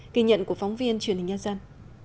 kỳ nhận của phóng viên truyền hình nhân dân